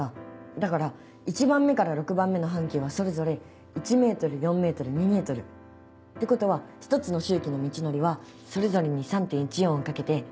だから１番目から６番目の半径はそれぞれ１ｍ４ｍ２ｍ。ってことは１つの周期の道のりはそれぞれに３．１４をかけて。